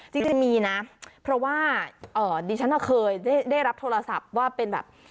จริงมีนะเพราะว่าดิฉันเคยได้รับโทรศัพท์ว่าเป็นแบบ